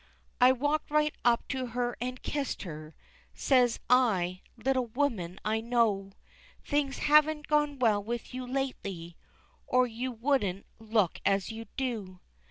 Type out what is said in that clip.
I walked right up to her and kissed her, Says I, little woman I know Things haven't gone well with you lately, Or you wouldn't look as you do.